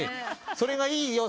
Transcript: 「それがいいよ。